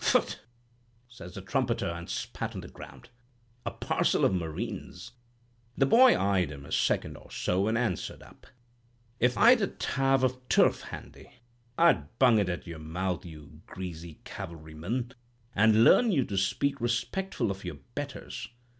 "'Phut!' says the trumpeter, and spat on the ground; 'a parcel of Marines!' "The boy eyed him a second or so, and answered up: 'If I'd a tav of turf handy, I'd bung it at your mouth, you greasy cavalryman, and learn you to speak respectful of your betters.